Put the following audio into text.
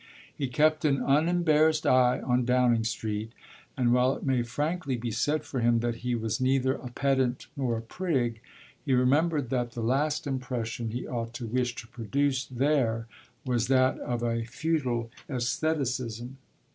He kept an unembarrassed eye on Downing Street, and while it may frankly be said for him that he was neither a pedant nor a prig he remembered that the last impression he ought to wish to produce there was that of a futile estheticism.